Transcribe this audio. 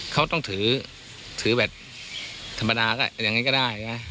เขาต้องถือถือแบบธรรมดาก็อย่างงี้ก็ได้ใช่ไหมอ่า